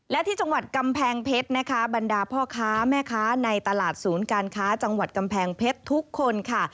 และที่จังหวัดกำแพงเพชรนะคะบรรดาพ่อค้าแม่ค้าในตลาดศูนย์การค้าจังหวัดกำแพงเพชรทุกคนค่ะ